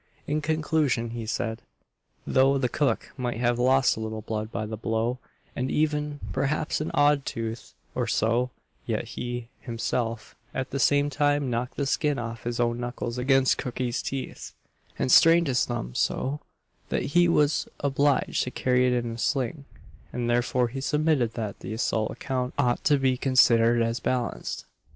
In conclusion, he said, though the cook might have lost a little blood by the blow, and even, perhaps, an odd tooth or so, yet he, himself, at the same time knocked the skin off his own knuckles against cookey's teeth, and strained his thumb so, that he was obliged to carry it in a sling; and therefore he submitted that the assault account ought to be considered as balanced.